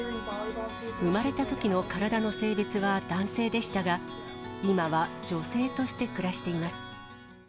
産まれたときの体の性別は男性でしたが、今は女性として暮らしています。